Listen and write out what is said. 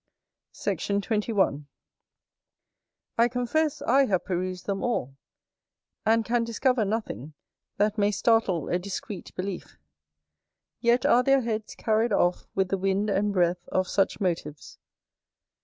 Sect. 21. I confess I have perused them all, and can discover nothing that may startle a discreet belief; yet are their heads carried off with the wind and breath of such motives.